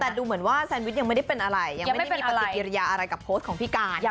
แต่ดูเหมือนว่าแซนวิชยังไม่ได้เป็นอะไรยังไม่ได้มีปฏิกิริยาอะไรกับโพสต์ของพี่การ